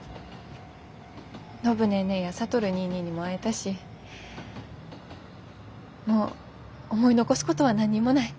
暢ネーネーや智ニーニーにも会えたしもう思い残すことは何にもない。